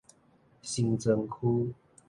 新莊區